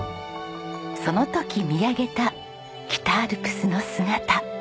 その時見上げた北アルプスの姿。